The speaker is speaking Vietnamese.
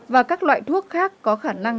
và các loại thuốc khác có khả năng